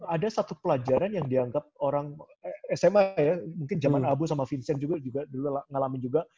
ada satu pelajaran yang dianggap orang sma ya mungkin zaman abu sama vincent juga dulu ngalamin juga